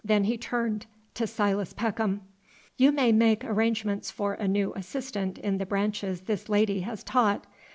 Then he turned to Silas Peckham. "You may make arrangements for a new assistant in the branches this lady has taught.